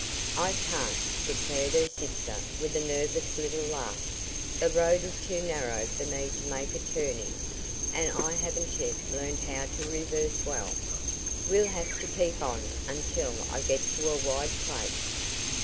"I can't," declared her sister with a nervous little laugh. "The road is too narrow for me to make a turn in, and I haven't yet learned how to reverse well. We'll have to keep on until I get to a wide place."